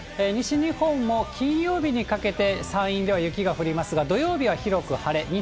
西日本も、金曜日にかけて、山陰では雪が降りますが、土曜日は広く晴れ。